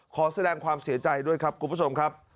ขอแสดงความเสียใจด้วยครับคุณผู้ชมครับ